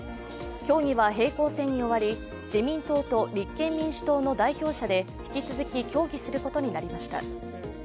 協議は平行線に終わり、自民党と立憲民主党の代表者で引き続き協議することになりました。